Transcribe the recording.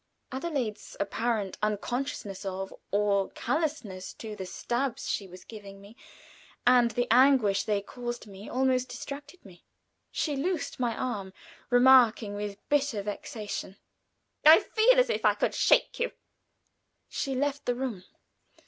Adelaide's apparent unconsciousness of, or callousness to, the stabs she was giving me, and the anguish they caused me, almost distracted me. She loosed my arm, remarking, with bitter vexation: "I feel as if I could shake you!" She left the room.